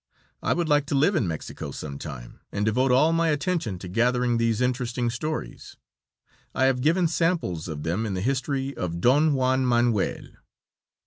I would like to live in Mexico some time, and devote all my attention to gathering these interesting stories. I have given samples of them in the history of Don Juan Manuel.